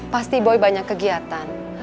pasti boy banyak kegiatan